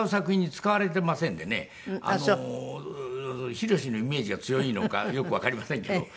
博のイメージが強いのかよくわかりませんけど。